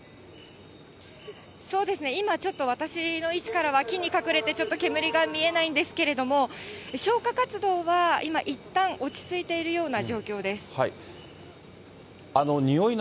そうですね、今、ちょっと私の位置からは、木に隠れて、ちょっと煙が見えないんですけれども、消火活動は今、いったん落ち着いているような状況です。